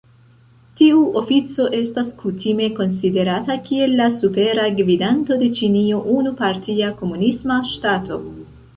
Tiu ofico estas kutime konsiderata kiel la Supera Gvidanto de Ĉinio, unu-partia komunisma ŝtato.